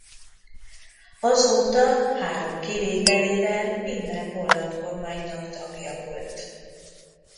Azóta három kivételével minden holland kormánynak tagja volt.